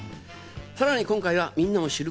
さらに今回はみんなも知る